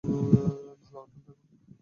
ভাল অটল থাকো।